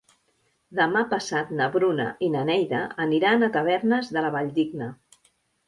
Demà passat na Bruna i na Neida aniran a Tavernes de la Valldigna.